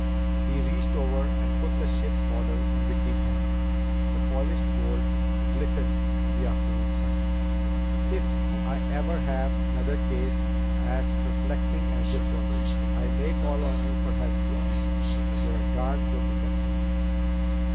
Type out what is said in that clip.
He reached over and put the ship's model in Vicki's hand. The polished gold glistened in the afternoon sun. "If I ever have another case as perplexing as this one, I may call on you for help, Vicki. You're a darn good detective."